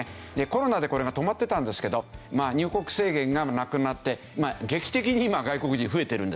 コロナでこれが止まってたんですけど入国制限がなくなって劇的に今外国人増えてるんですよね。